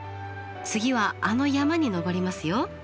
次はあの山に登りますよ。